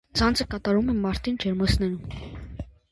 Ցանքը կատարում են մարտին ջերմոցներում։